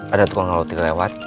ada tukang roti lewat